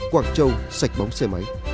quảng châu sạch bóng xe máy